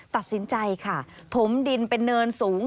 ตัดสินใจค่ะถมดินเป็นเนินสูง